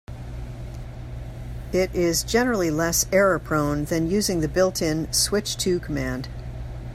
It is generally less error-prone than using the built-in "switch to" command.